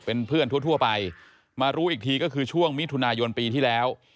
เป็นเพื่อนทั่วไปมารู้อีกทีก็คือช่วงมิถุนายนปีที่แล้ว